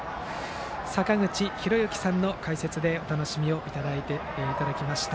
坂口裕之さんの解説でお楽しみいただきました。